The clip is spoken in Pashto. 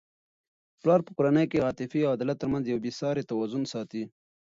پلار په کورنی کي د عاطفې او عدالت ترمنځ یو بې سارې توازن ساتي.